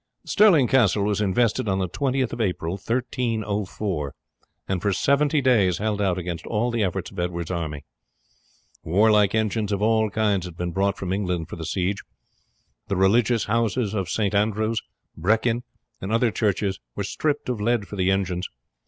Stirling Castle was invested on the 20th of April, 1304, and for seventy days held out against all the efforts of Edward's army. Warlike engines of all kinds had been brought from England for the siege. The religious houses of St. Andrews, Brechin, and other churches were stripped of lead for the engines.